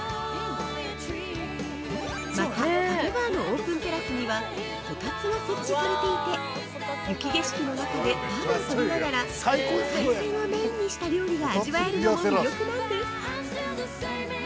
また、カフェバーのオープンテラスにはこたつが設置されていて雪景色の中で暖をとりながら海鮮をメインにした料理が味わえるのも魅力なんです。